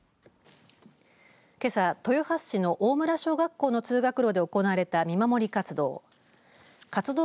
けさ、豊橋市の大村小学校の通学路で行われた見守り活動。